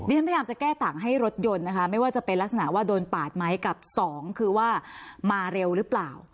ฉันพยายามจะแก้ต่างให้รถยนต์นะคะไม่ว่าจะเป็นลักษณะว่าโดนปาดไหมกับสองคือว่ามาเร็วหรือเปล่า